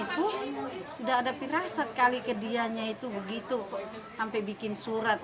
itu udah ada pirah sekali ke dianya itu begitu sampai bikin surat